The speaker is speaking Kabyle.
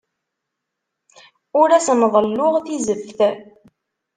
Ur asen-ḍelluɣ tizeft.